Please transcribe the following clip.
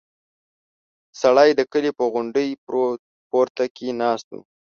سړی د کلي په غونډۍ پورته کې ناست و.